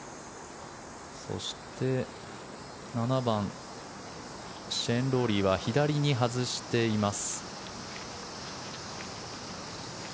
そして７番シェーン・ロウリーは左に外しています。